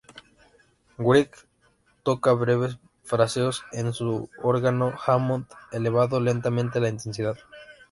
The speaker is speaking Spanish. Wright toca breves fraseos en su órgano Hammond, elevando lentamente la intensidad.